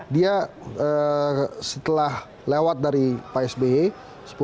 dia setelah lewat dari pak sby